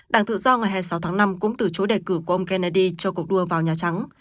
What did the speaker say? đảng tự do ngày hai mươi sáu tháng năm cũng từ chối đề cử của ông kennedy cho cuộc đua vào nhà trắng